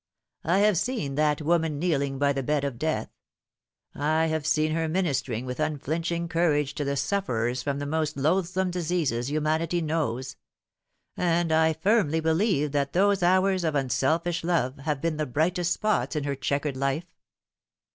I have seen that woman kneeling by the bed of death ; I have seen her minister ing with unflinching courage to the sufferers from the most loathsome diseases humanity knows ; and I firmly believe that those hours of unselfish love have been the brightest spots in her chequered life.